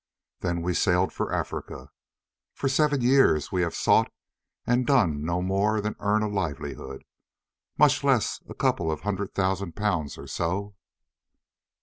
Then we sailed for Africa. For seven years we have sought and done no more than earn a livelihood, much less a couple of hundred thousand pounds or so."